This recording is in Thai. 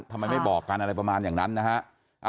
ทำไมไม่บอกกันอะไรประมาณอย่างนั้นนะฮะ